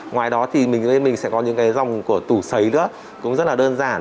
ngoài đó thì mình sẽ có những dòng của tủ xấy nữa cũng rất là đơn giản